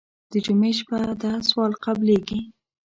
د جمعې شپه ده سوال قبلېږي.